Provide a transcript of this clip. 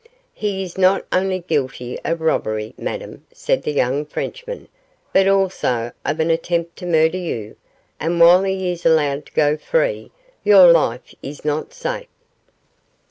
'He is not only guilty of robbery, Madame,' said the young Frenchman, 'but also of an attempt to murder you, and while he is allowed to go free, your life is not safe.